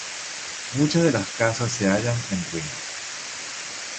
Muchas de las casas se hallan en ruinas.